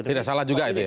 tidak salah juga itu ya